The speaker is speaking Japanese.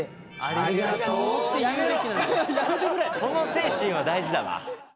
その精神は大事だわ。